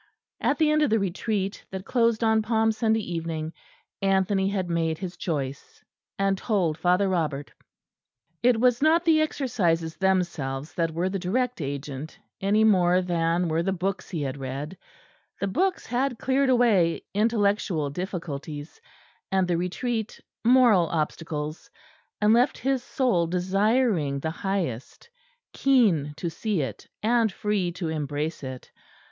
At the end of the Retreat that closed on Palm Sunday evening, Anthony had made his choice, and told Father Robert. It was not the Exercises themselves that were the direct agent, any more than were the books he had read: the books had cleared away intellectual difficulties, and the Retreat moral obstacles, and left his soul desiring the highest, keen to see it, and free to embrace it.